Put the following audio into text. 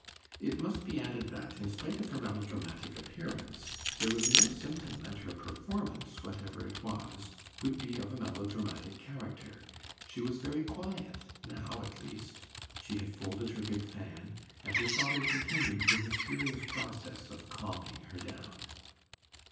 It must be added that, in spite of her melodramatic appearance, there was no symptom that her performance, whatever it was, would be of a melodramatic character. She was very quiet now, at least (she had folded her big fan), and her father continued the mysterious process of calming her down.